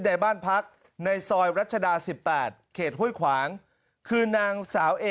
ในบ้านพักในซอยรัชดา๑๘เขตห้วยขวางคือนางสาวเอ